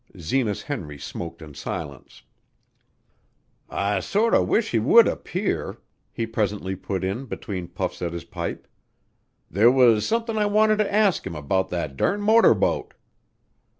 Zenas Henry smoked in silence. "I sorter wish he would appear," he presently put in, between puffs at his pipe. "There was somethin' I wanted to ask him about that durn motor boat."